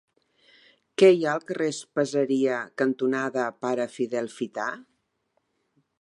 Què hi ha al carrer Espaseria cantonada Pare Fidel Fita?